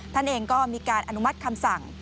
ท่านเองก็มีการอนุมัติคำสั่ง